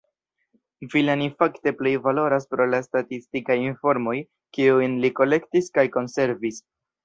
Villani fakte plej valoras pro la statistikaj informoj, kiujn li kolektis kaj konservis.